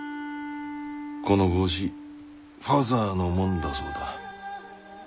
この帽子ファザーのもんだそうだ。